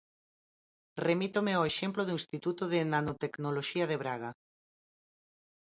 Remítome ao exemplo do Instituto de Nanotecnoloxía de Braga.